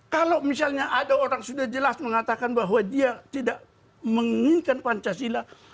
kalau misalnya ada orang sudah jelas mengatakan bahwa dia tidak menginginkan pancasila